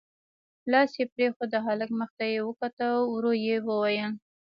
لاس يې پرېښود، د هلک مخ ته يې وکتل، ورو يې وويل: